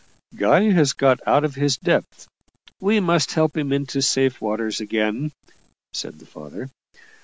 "Guy has got out of his depth we must help him into safe waters again," said the father.